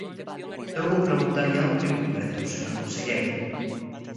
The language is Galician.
Eu vou preguntarlle algo moi concreto, señor conselleiro.